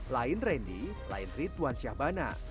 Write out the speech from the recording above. lain randy lain ridwan syahbana